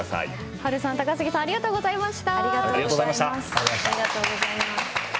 波瑠さん、高杉さんありがとうございました。